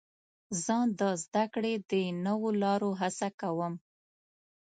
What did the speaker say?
زه د زدهکړې د نوو لارو هڅه کوم.